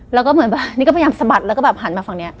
แล้วนี่ก็พยายามสะบัดหันมาฝั่งนี้